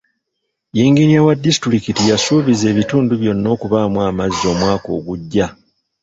Yinginiya wa disitulikiti yasuubiza ebitundu byonna okubaamu amazzi omwaka ogujja.